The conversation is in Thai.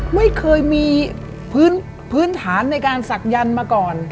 ไม่เคยมีพื้นฐานในการศักยันต์มาก่อน